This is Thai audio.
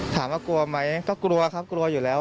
ถามว่ากลัวไหมก็กลัวครับกลัวอยู่แล้ว